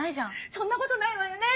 そんなことないわよね。